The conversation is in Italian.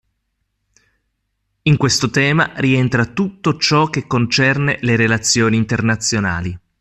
In questo tema rientra tutto ciò che concerne le relazioni internazionali.